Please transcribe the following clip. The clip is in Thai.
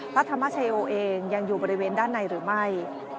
พระธรรมชโยเองยังอยู่บริเวณด้านในหรือไม่